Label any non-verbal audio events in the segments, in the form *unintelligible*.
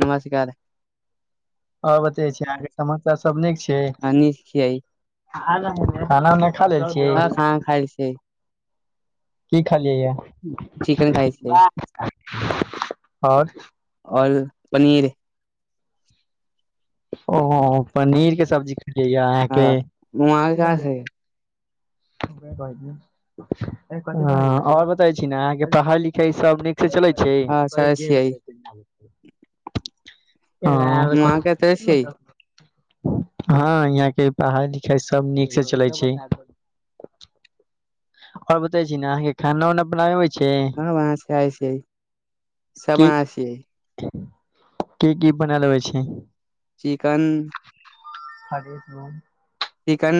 नमस्कार ओर बते छी अहाँके समस्या सब नीक छै आ न छिय *inaudible* खाना उना खा लेल छि हँ खाना खाइ छै की खलियै यऽ चिकन खाइ छै *inaudible* ओर ओल पनीर ओ हँ पनीर के सब्जी खैलियै यऽ हँ अहाँके वहाँ कहाँ छै *inaudible* हाॅं ओर बताे छी ने अहाँके पढ़ाई लिखाई सब नीक से चले छै अच्छा छियै वहाँ के तऽ छियै *inaudible* *unintelligible* हँ यहाँ के पढ़ाइ लिखाइ सब नीक से चलै छि *inaudible* आओर बतै छी ने अहाँके खाना उना बनाबै अबै छै हँ वहाँ से *unintelligible* छी समासि के की बनालबै छी चिकन *inaudible* चिकन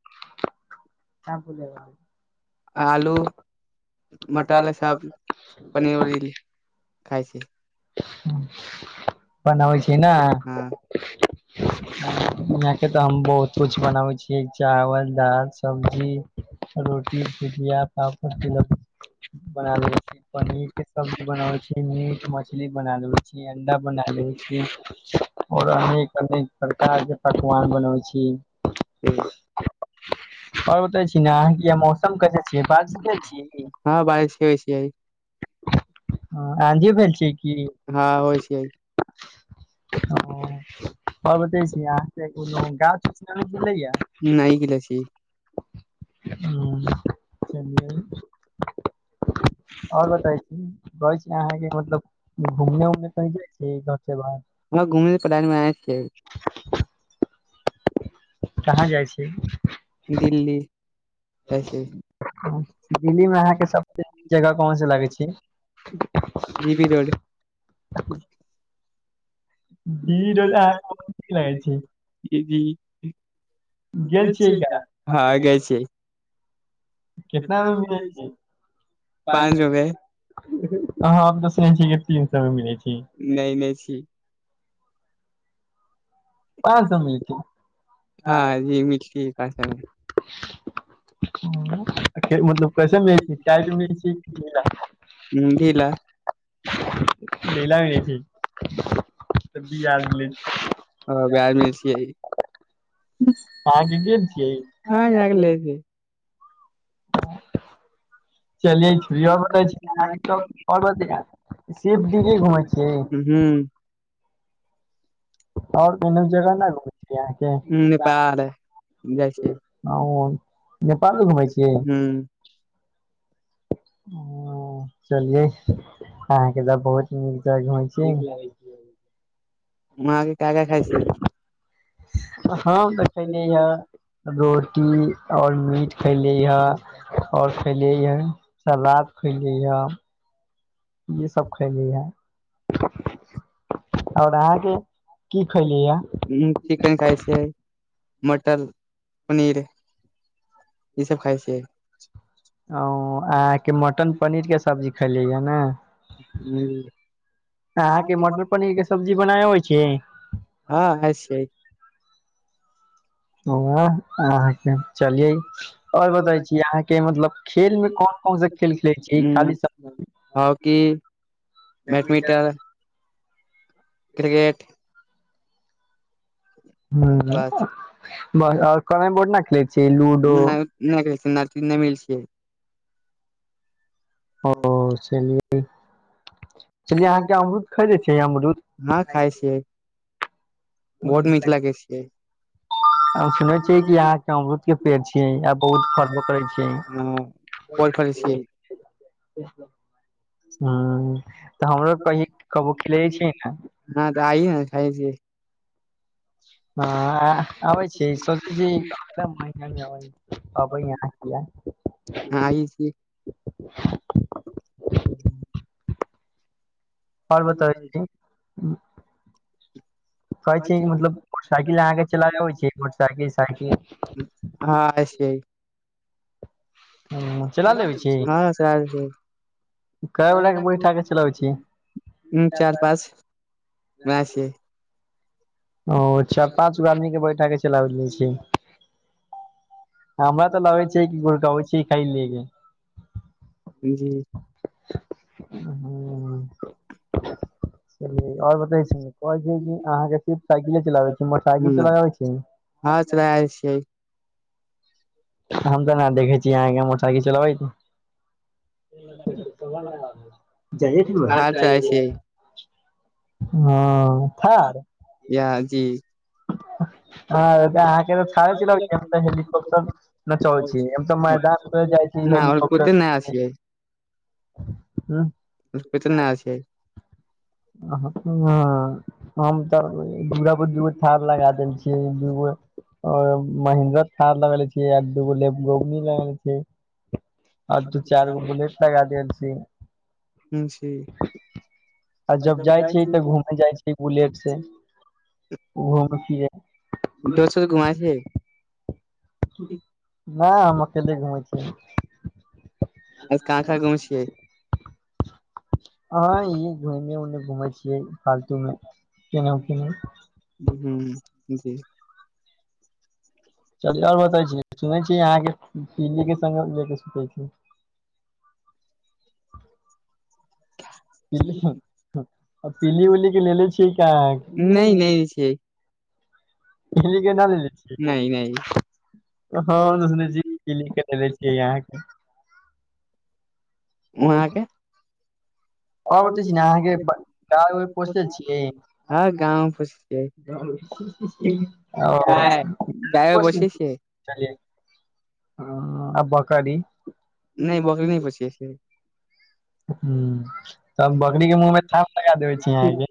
*inaudible* आलू *inaudible* *inaudible* मटल मटर पर सब पनीर खाइ छै *inaudible* छी ने *inaudible* हँ यहाँ के तऽ हम बहुत कुछ बनाबै छियै चावल दाल सब्जी रोटी भुजिया पापड़ तिलो बना लेले छी पनीर के सब्जी बनाबे छी मीट मछली बना देबे छी छी अंडा बना लेब *inaudible* ओर अनेक अनेक प्रकार के पकवान बनबै छी ई ओर बताइ छी न आँहा किया मैस कत छिय बाजतें छिय कि हँ हाँ बारिश होइ बाजते छिय छियै *unintelligible* *inaudible* और *unintelligible* छी हँ होइ छियै अहाँ *unintelligible* मलैया नहि गेले छी हु और बताई छी कहेछी अहाँके मतलब घूमने उमने कही जाइ छी घर से बाहर *unintelligible* घुमी प्लान मे आइ छी कहाँ जाइ छी दिल्ली जई छी दिल्ली मे अहाँके सबसे जगह कोन से लागै छै जी भी रोड *inaudible* दी भी रोड आहाँ के बहुत निक लगा छी *unintelligible* गेल गैल छियै छी का हँ गेल छी कितना मे मिले छै पाँच सो मे हम त सुनै छिय तीन सो मे मिलै छै नय नय सी पाँच सो म मिले हँ ई मिठी भाषा मे छी *inaudible* मतलब कैसे हिन्दी ला *unintelligible* *unintelligible* ह ओहा मे छिय अहाँके गेल छियै हँ जाके ले *unintelligible* चलियर छीहओर ब सेफ दिल्ली घुमै छियै हू *unintelligible* और कोनो जगह न घुमै छियै अहाँके नेपाल जाइ छै ओ नेपालो घुमै छियै हूँ चलियै अहाँके त बहुत नीक जगह घुमै छीिय *unintelligible* के का का खाय छिय हम त कलिय ह रोटी और मीट खैले हे और खैले हे सलाद खैले हे ये सब खैली है ओर अहाँके की खैली य इही चिकन खाई छीय मटन पनीर ई सब खाइ छियै ओ अहके मटन पनीर के सब्जी खली य ने हँ हँ के मटर पनीर के सब्जी बनाये अबे छै हँ हइ छै वहा अहाँके चलिये और बताछी अहाँके मतलब खेल मे कोन कोन सा खेल खेलै छी हम्म, खाली हॉकी बैडमिंटन क्रिकेट बस हु और कैरम बोर्ड ने खेलैत छियै लूडो नय खालाई छै *unintelligible* मिल छियै ओ चलिय चलिए अहाँके अमरुद खा छ अमरुद ना खााय छियै बहुद मीठ लगे छियै हम सुनै छियै कि अहाँके अमरुद के पेड़ छियै आ बहुत फरबो करै छै वायफ्रेनड छी हँ राहुलकबुकिलिछी हँ दाई खाय दे हँ आबै छी। दिन सबदिने अबै यहाँ किया ह *inaudible* और बतबै छी आओरबताईए कहै छै मतलब साइकिलह अहा केचलाब आबैअछि मोटरसाइकिल साइकिल हँ एसइ ह चला लेबै छी हँ स *inaudible* कए ह गोटा के बैठा के चलाबै छी चार पाँच उहे छै ओ चार पाँच गो आदमी के बैठा के चला बैत रहै छियै हमरा तऽ लागै छै कि गुरबई छियै काईलै जी ह *unintelligible* आऔर बताेउ अहाँ के सिफ साइकिले चलाबै छी मोटरसाइकिल ह चलाबे आबै छै हँ च र आल छियै हम तऽ। कहा देखैछि। अहा के मोटरसाइकिल चलाबैत नहि हाल चलाय जाइ छियै हँ ईहे कि *unintelligible* हँऽ अहाँके तऽड़े तऽ हेलिकॉप्टर न चल नहि तऽ मैदानर जाइ छी आओर हेलीकॉप्टर इतने आदमी आ त दुराापुर ज लगा देल छै दुगो महन्द्रक खाद लगे छिय एक दूगो लेब गो लगे छ आ तू चार गो बुलेट लगा द छी *inaudible* आ जब जाइ छी त घूमे जाय छी बुलेट से खुशीै दोसो घुमा छियै *inaudible* नहि हम अकेले घुमै छिय आज कहा कहा गुम छियै हँ इ घुने उने घुमे छियै फालतू मे केनाहु केनहु ह जी चल आओर बताे छी सुनै छी यहाँ के पीली के संग सुते छी पीली *unintelligible* पीली उली के लेले छियै का अहाँ नहि नहि छै इ के न लेे नहि छिय नहि हँ सु क लि करने छियै यहाँके उहाँके आ बत छी ने अहाँके ग पोछल छिय ह हँ गाँव पोसै छियै गाय गायो पोसै छियै *unintelligible* *unintelligible* हँ आ बकरी नहि बकरी नहि पोछले छिये हू तब बकरी के मुँह मे थाप लगा देबे छी अहाँके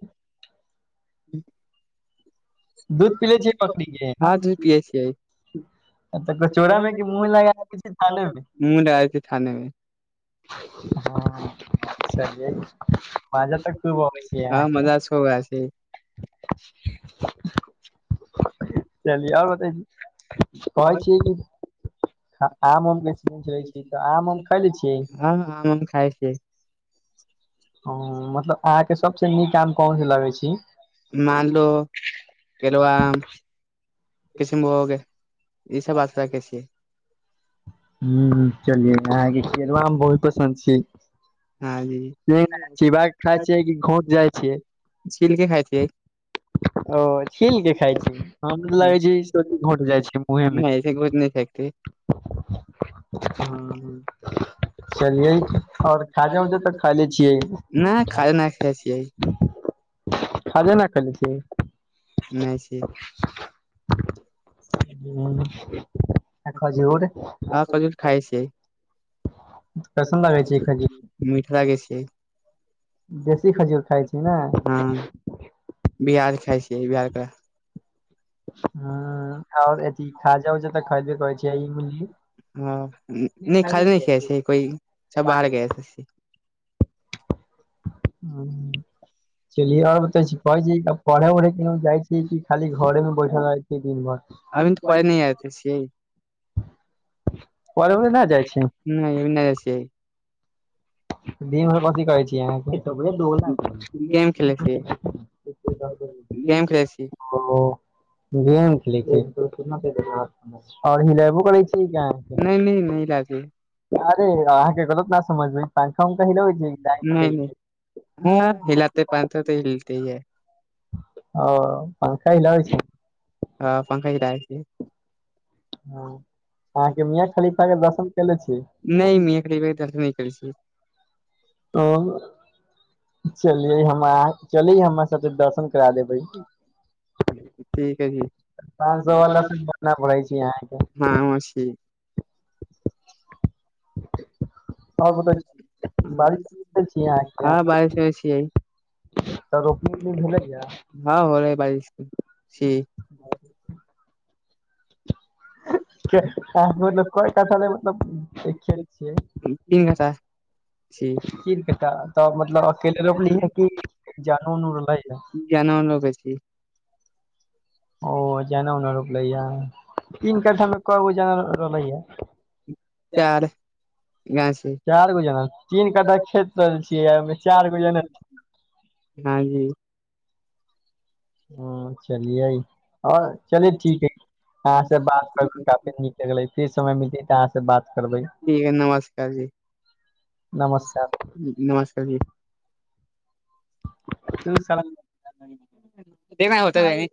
दूध पीले छैय बकरी के हँ दूध पियै छियै आ तऽ कचोरा में कि मुँह लगा छै थाने मे मुँह लग आइ छै ाने मे हँ मजा तऽ खूब अ्य हँ अहाँके मजा खूब आय छै चली आओर बताै छी कहे छिये कि आम उम कें रहै छै तऽ आम उम खाय ले छियै हँ हम आम उम खाय छ हू मतलब अहाँके सबसँ नीक आम कहन से लगै छी मानलो किसुन बोगे ई सब आम कररा कैसियै ह चलियै अहाँके केररवा हम बहुत पसन्द छी हँ जी चिवा कऽ खाइ छियै कि घोट जाइ छियै छिलके खााय छिये ओ छिलके खइ छी हम लागै छै ई सबी घट जाइ छै मुँहे मे नहि ऐसे घुस नहि फेकते हँ हँ चलिये आओर खाजा उजा तऽ खायले छियै नहि खाय नहि खाय छियै खाजा ने खले छिये नहि छी *unintelligible* हू आ खजूर हँ खजूर खाय छियै बढ़ सुंदर होय छैय खजूर मिथला कऽ छिये देसी खजूर खाइ छी नऽ हँ बिहार खाइ छियै बिहारके ह आओर अ खाजा उज तऽ खईबे करे छै आ ईमली हँ नहि खााद नहि खे छै कोइ सब बाहर गए चलियए आओर बता छी कहै छै पढ़े उढ़ै केन जाइ छीै कि खाली घरे मे बैठल रह छै दिन भर अभी तऽ पेन आत सेिय पढ़े नऽ नहि जाइ छी नहि अभि नहि जाय छिये दिन भड़ कथि करै छी आहाँक गेम खेले छियै ओ खेले गेम छियै खेले छि आओर हिलेबो करै छिये की नहि नहि आहाँ नहि लाते के अरे अहाँके गलत नऽ समझबै पंखा उनका छ क ल ओठ *inaudible* पानथ तऽ हलते है ओ पंखा हिलेब छिये हाॅ पंखा हिलेब छिये हाॅं अहाँके मियाँ खलीफा के दर्शन केले छी नहि मियाँ खलीफा के दर्शन नहि करै छियै ओ छलियै हमार चली हमरा सबकेे दर्शन करा देबै ठीक है जी पाँच सो वला के मन नऽ भड़े छै अहाँके *inaudible* माओ छी और बताउ बारिश *unintelligible* आहाँके केने छिये तऽ रोपनी उपनी भेलय यऽ हँ हो रहै बारिश छी बहुत के हाॅं बतलब कय कठा लेल मतलब खेत छियय तीन घटा छी तीन कट्ठा तऽ मतलब अकेले रोपलही हें की जनो उनो रहल हें। जनो उनो रीपेसी ओ जनो उनो रोपलै यऽ तीन कठामे कगो जन रहय ये चार गाछ छै चारि गो जना तीन कट्ठा खेत करऽ छि ओहिमे चारि गो जोन हाॅं जी हुं चलियए आओर चले ठीक हए अहाँ से बात करब काफी नीक लगले फिर समय मिलते तऽ अहाँ से बात करबै ठीक है नमस्कार जी नमस्कार जी तू केना होतय